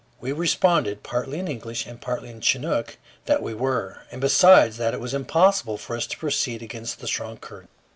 We responded, partly in English and partly in Chinook, that we were, and besides that it was impossible for us to proceed against the strong current.